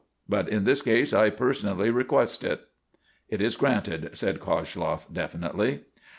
But in this case I personally request it." "It is granted," said Koshloff, definitely.